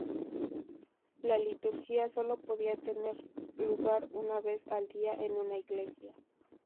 La liturgia solo podía tener lugar una vez al día en una iglesia.